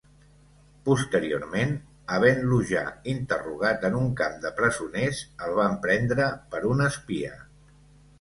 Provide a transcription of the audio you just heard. Posteriorment, havent-lo ja interrogat en un camp de presoners, el van prendre per un espia.